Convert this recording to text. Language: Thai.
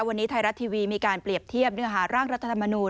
วันนี้ไทยรัฐทีวีมีการเปรียบเทียบเนื้อหาร่างรัฐธรรมนูล